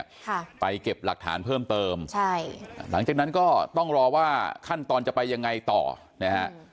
ค่ะไปเก็บหลักฐานเพิ่มเติมใช่หลังจากนั้นก็ต้องรอว่าขั้นตอนจะไปยังไงต่อนะฮะ